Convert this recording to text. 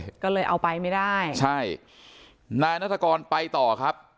เข้าไปด้วยก็เลยเอาไปไม่ได้ใช่นายนัตรกรไปต่อครับ